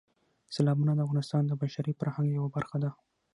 سیلابونه د افغانستان د بشري فرهنګ یوه برخه ده.